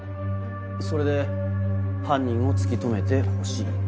それで犯人を突き止めてほしいと。